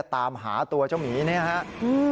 ตามหาตัวเจ้าหมีเนี่ยครับ